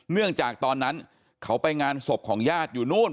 เนื่องจากตอนนั้นเขาไปงานศพของญาติอยู่นู่น